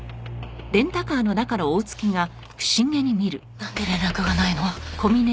なんで連絡がないの？